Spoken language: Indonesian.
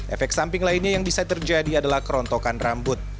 efek samping lainnya yang bisa terjadi adalah kerontokan rambut